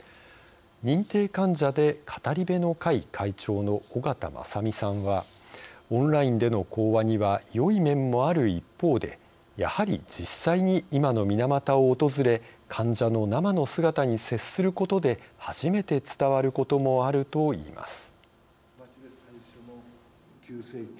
認定患者で語り部の会会長の緒方正実さんはオンラインでの講話にはよい面もある一方でやはり、実際に今の水俣を訪れ患者の生の姿に接することで初めて伝わることもあるといいます。